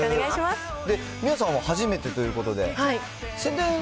美桜さんは初めてということで、宣伝？